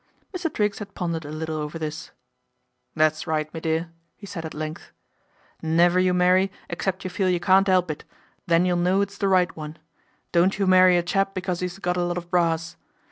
Mr. Triggs had pondered a little over this. " That's right, me dear !" he said at length. " Never you marry except you feel you can't 'elp it, then you'll know it's the right one. Don't you marry a chap because he's got a lot of brass.